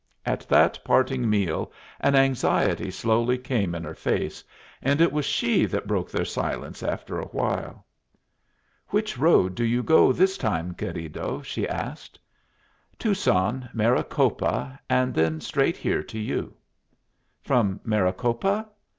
At that parting meal an anxiety slowly came in her face, and it was she that broke their silence after a while. "Which road do you go this time, querido?" she asked. "Tucson, Maricopa, and then straight here to you." "From Maricopa?